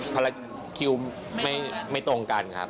พันละคิวไม่ตรงกันครับ